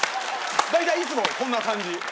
大体いつもこんな感じ。